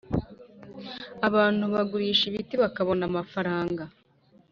Abantu bagurisha ibiti bakabona amafaranga